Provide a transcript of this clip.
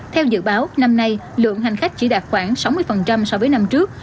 theo dự báo năm nay lượng hành khách chỉ đạt khoảng sáu mươi so với năm trước